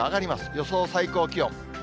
予想最高気温。